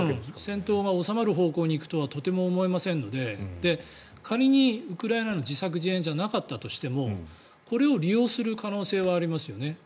戦闘が収まる方向に行くとはとても思えませんので仮に、ウクライナの自作自演じゃなかったとしてもこれを利用する可能性はありますよね。